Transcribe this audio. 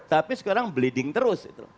tapi sekarang bleeding terus